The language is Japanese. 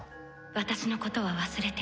私のことは忘れて。